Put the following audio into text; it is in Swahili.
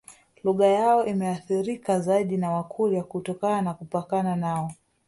Lugha yao imeathirika zaidi na Wakurya kutokana na kupakana nao